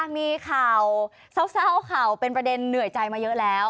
มีข่าวเศร้าข่าวเป็นประเด็นเหนื่อยใจมาเยอะแล้ว